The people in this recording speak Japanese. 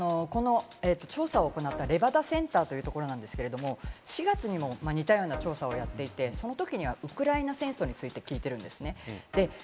調査を行った、レバダセンターというところなんですけれど、４月にも似たような調査をやっていて、その時にはウクライナ戦争についてを聞いてるんですね。